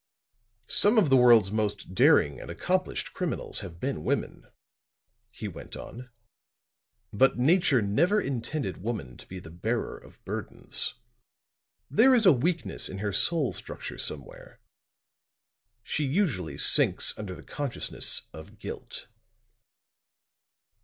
"Some of the world's most daring and accomplished criminals have been women," he went on. "But Nature never intended woman to be the bearer of burdens; there is a weakness in her soul structure somewhere; she usually sinks under the consciousness of guilt."